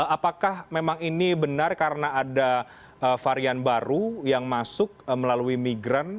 apakah memang ini benar karena ada varian baru yang masuk melalui migran